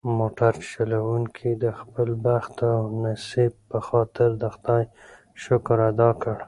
موټر چلونکي د خپل بخت او نصیب په خاطر د خدای شکر ادا کړ.